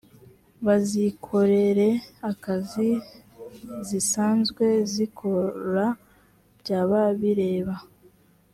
bazikorere akazi zisanzwe zikora byaba bireba